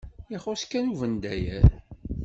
Ixuṣṣ kan ubendayer.